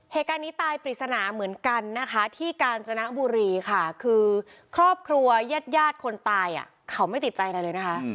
เหตุการณ์นี้ตายปริศนาเหมือนกันนะคะที่กาญจนบุรีค่ะคือครอบครัวยาดคนตายเขาไม่ติดใจอะไรเลยนะคะ